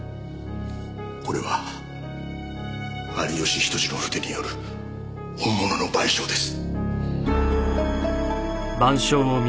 これは有吉比登治の筆による本物の『晩鐘』です。